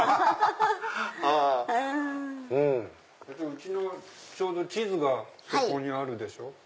うちの地図がそこにあるでしょ。